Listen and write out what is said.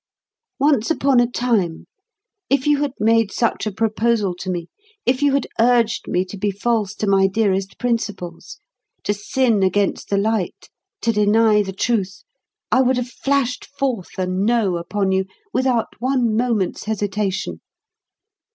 Once upon a time, if you had made such a proposal to me, if you had urged me to be false to my dearest principles, to sin against the light, to deny the truth, I would have flashed forth a no upon you without one moment's hesitation.